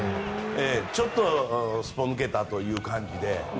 ちょっとすっぽ抜けたという感じで。